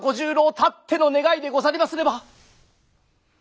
たっての願いでござりますれば。